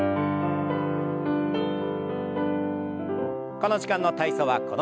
この時間の体操はこの辺で。